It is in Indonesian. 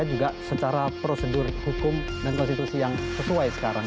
juga secara prosedur hukum dan konstitusi yang sesuai sekarang